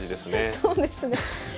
そうですね。